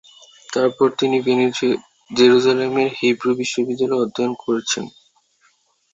তারপর তিনি জেরুজালেমের হিব্রু বিশ্ববিদ্যালয়ে অধ্যয়ন করেন।